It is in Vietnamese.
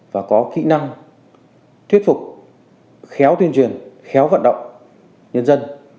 và có kỹ năng thuyết phục khéo tuyên truyền khéo vận động nhân dân